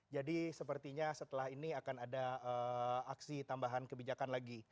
jadi sepertinya setelah ini akan ada aksi tambahan kebijakan lagi